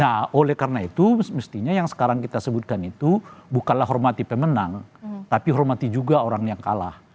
nah oleh karena itu mestinya yang sekarang kita sebutkan itu bukanlah hormati pemenang tapi hormati juga orang yang kalah